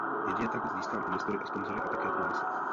Jedině tak získáme investory a sponsory, a také průmysl.